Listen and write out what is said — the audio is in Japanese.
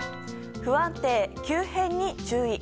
不安定、急変に注意。